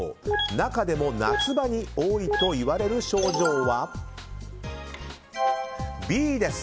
中でも夏場に多いといわれる症状はＢです。